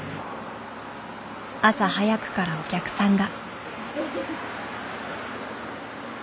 朝早くからお客さんが。